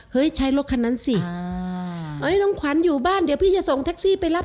ใช้รถคันนั้นสิเฮ้ยน้องขวัญอยู่บ้านเดี๋ยวพี่จะส่งแท็กซี่ไปรับ